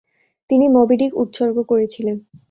তিনি মবি-ডিক উৎসর্গ করেছিলেন।